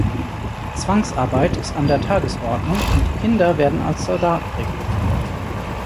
Zwangsarbeit ist an der Tagesordnung, und die Kinder werden als Soldaten rekrutiert.